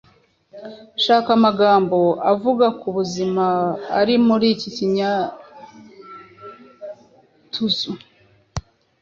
shaka amagambo avuga ku buzima ari muri iki kinyatuzu